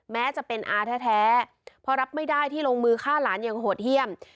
แม้จะเป็นอาแท้เพราะรับไม่ได้ที่ลงมือฆ่าหลานอย่างโหดเยี่ยม